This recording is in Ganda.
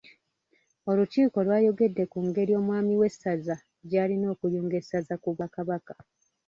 Olukiiko lwayogedde ku ngeri omwami w’essaza gy’alina okuyunga essaza ku Bwakabaka.